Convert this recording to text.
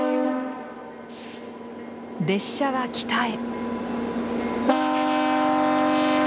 列車は北へ。